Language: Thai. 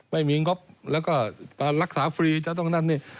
ไม่มีงบแล้วก็รักษาฟรีจะต้องนั่นนี่